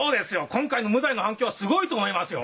今回の無罪の反響はすごいと思いますよ！